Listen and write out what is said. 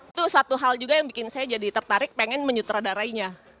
itu satu hal juga yang bikin saya jadi tertarik pengen menyutradarainya